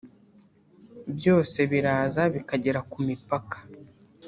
byose biraza bikagera ku mipaka